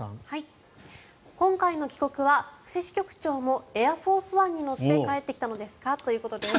今回の帰国は布施支局長もエアフォース・ワンに乗って帰ってきたのですか？ということです。